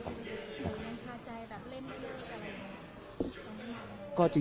หรือมันพาใจแบบเล่มเที่ยวกันกัน